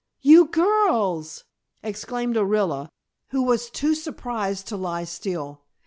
You girls!" exclaimed Orilla, who was too surprised to lie still.